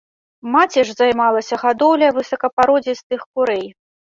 Маці ж займалася гадоўляй высокапародзістых курэй.